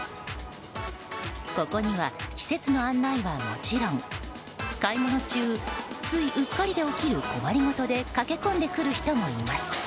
ここには施設の案内はもちろん買い物中、ついうっかりで起きる困りごとで駆け込んでくる人もいます。